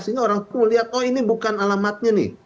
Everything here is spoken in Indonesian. sehingga orang melihat oh ini bukan alamatnya nih